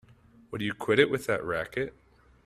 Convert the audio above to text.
Would you quit it with that racket!